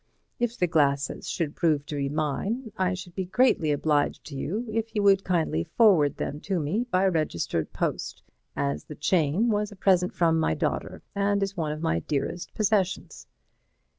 If the glasses should prove to be mine, I should be greatly obliged to you if you would kindly forward them to me by registered post, as the chain was a present from my daughter, and is one of my dearest possessions.